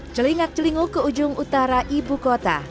celingak celingu ke ujung utara ibu kota